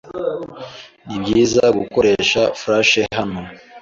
Nibyiza gukoresha flash hano?